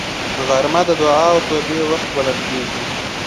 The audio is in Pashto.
غرمه د دعا او توبې وخت بلل کېږي